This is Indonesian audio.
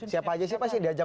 siapa aja siapa sih yang diajak